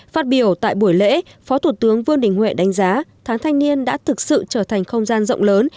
phát biểu tại buổi lễ phó thủ tướng vương đình huệ đánh giá tháng thanh niên đã thực sự trở thành không gian rộng lớn